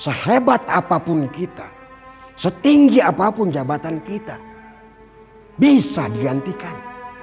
sehebat apapun kita setinggi apapun jabatan kita bisa digantikan